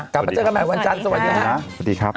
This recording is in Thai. กลับมาเจอกันใหม่วันจันทร์สวัสดีครับ